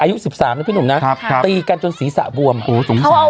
อายุสิบสามนะพี่หนุ่มนะครับครับตีกันจนศีรษะววมโอ้สงสารน่ะ